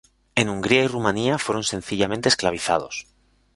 En Hungría y Rumanía fueron sencillamente esclavizados.